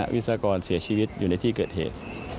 วิสากรเสียชีวิตอยู่ในที่เกิดเหตุ